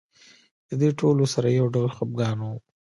د دې ټولو سره یو ډول خپګان و.